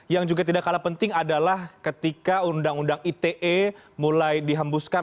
yang juga tidak kalah penting adalah ketika undang undang ite mulai dihembuskan